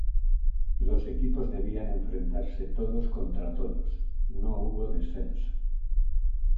Los equipos debían enfrentarse todos contra todos, no hubo descenso.